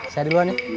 saya duluan ya